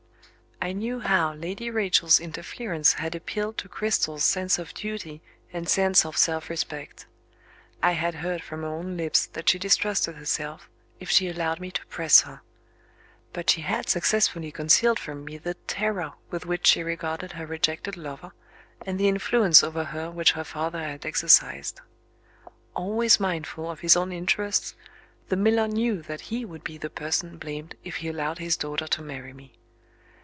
I knew how Lady Rachel's interference had appealed to Cristel's sense of duty and sense of self respect; I had heard from her own lips that she distrusted herself, if she allowed me to press her. But she had successfully concealed from me the terror with which she regarded her rejected lover, and the influence over her which her father had exercised. Always mindful of his own interests, the miller knew that he would be the person blamed if he allowed his daughter to marry me.